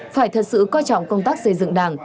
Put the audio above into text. phải thật sự coi trọng công tác xây dựng đảng